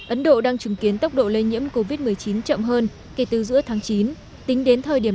ấn độ đang chứng kiến tốc độ lây nhiễm covid một mươi chín chậm hơn kể từ giữa tháng chín tính đến thời điểm